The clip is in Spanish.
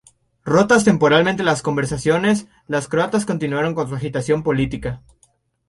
Rotas temporalmente las conversaciones, los croatas continuaron con su agitación política.